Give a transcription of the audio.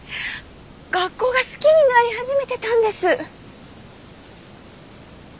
学校が好きになり始めてたんです。